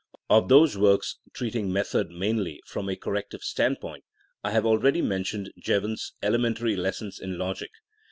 Of those works treating method mainly from a corrective stand point, I have already mentioned Jevon's Ele mentary Lessons in Logic.